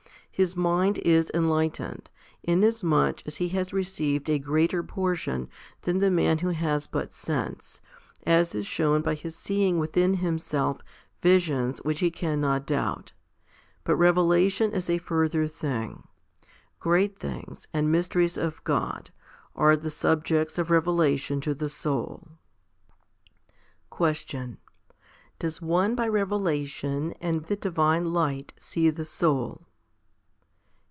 His mind is enlightened, inasmuch as he has received a greater portion than the man who has but sense, as is shown by his seeing within himself visions which he cannot doubt. But revelation is a further thing. Great things, and mysteries of God, are the subjects of revelation to the soul. 6. Question. Does one by revelation and the divine light see the soul